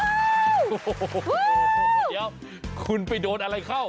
โอ้โหเดี๋ยวคุณไปโดนอะไรเข้า